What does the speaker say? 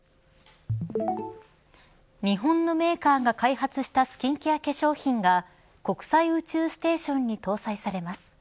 日本のメーカーが開発したスキンケア化粧品が国際宇宙ステーションに搭載されます。